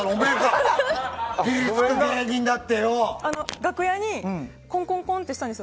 楽屋にコンコンってしたんですよ。